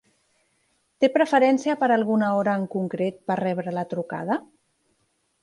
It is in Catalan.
Té preferència per alguna hora en concret per rebre la trucada?